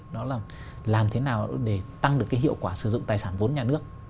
đó là làm thế nào để tăng được cái hiệu quả sử dụng tài sản vốn nhà nước